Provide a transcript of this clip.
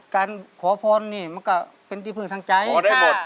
การขอพรนี่มันก็เป็นที่พึ่งทางใจหมด